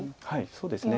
そうですね。